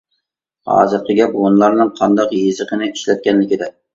ھازىرقى گەپ ھونلارنىڭ قانداق يېزىقنى ئىشلەتكەنلىكىدە!